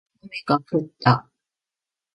案の定、雨が降った。